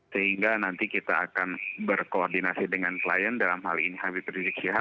sehingga nanti kita akan berkoordinasi dengan klien dalam hal ini habib rizik syihab